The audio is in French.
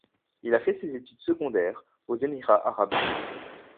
Il a fait ses études secondaires aux Emirats Arabes Unis.